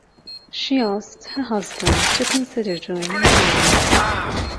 She asks her husband to consider joining them.